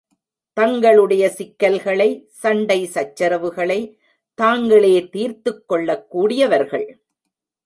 தங்களுடைய சிக்கல்களை, சண்டை சச்சரவுகளை தாங்களே தீர்த்துக் கொள்ளக்கூடியவர்கள்.